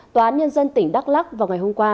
tòa án nhân dân tỉnh đắk lắc vào ngày hôm qua